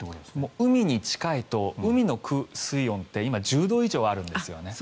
海に近いと海の水温って今１０度以上あるんですね。